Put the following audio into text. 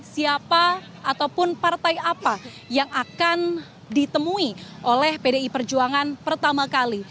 siapa ataupun partai apa yang akan ditemui oleh pdi perjuangan pertama kali